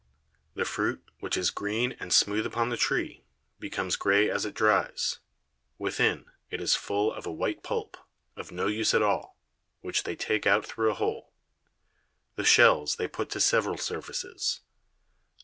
The Fruit, which is green and smooth upon the Tree, becomes grey as it dries; within, it is full of a white Pulp, of no use at all, which they take out through a Hole; the Shells they put to several Services.